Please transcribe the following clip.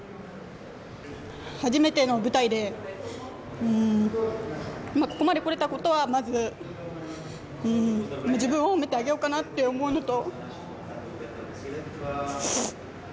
初めての舞台で、ここまでこられたことは、まず自分を褒めてあげようかなと思うのと。